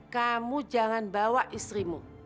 kamu jangan bawa istrimu